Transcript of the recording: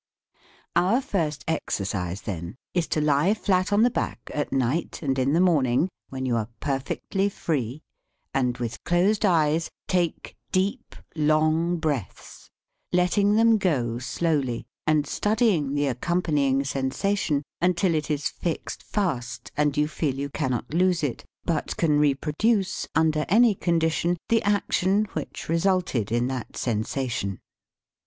Our first exercise, then, is to lie flat on the back at night and in the morning, when you are perfectly free, and, with closed eyes, take deep, long breaths, letting them go slowly, and studying the accompanying sensation until it is fixed fast and you feel you cannot lose it, but can reproduce, under any condi 9 THE SPEAKING VOICE tion, the action which resulted in that sen sation.